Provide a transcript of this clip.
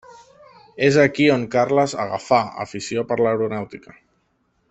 És aquí on Carles agafà afició per l'aeronàutica.